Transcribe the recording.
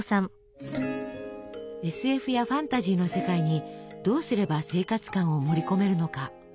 ＳＦやファンタジーの世界にどうすれば生活感を盛り込めるのか。